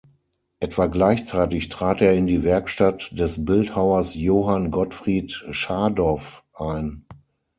Etwa gleichzeitig trat er in die Werkstatt des Bildhauers Johann Gottfried Schadow ein.